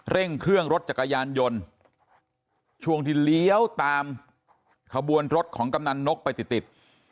เร่งเครื่องรถจักรยานยนต์ช่วงที่เลี้ยวตามขบวนรถของกำนันนกไปติดติด